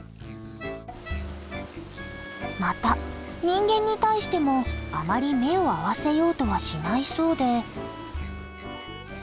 また人間に対してもあまり目を合わせようとはしないそうで。